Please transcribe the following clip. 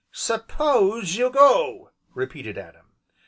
"S'pose you go!" repeated Adam.